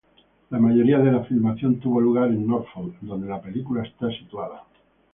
La mayoría de la filmación tuvo lugar en Norfolk donde la película está ubicada.